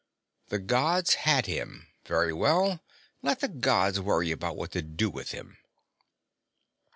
The Gods had him; very well, let the Gods worry about what to do with him.